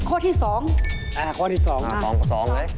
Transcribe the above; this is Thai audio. ข้อที่สองนะครับเลย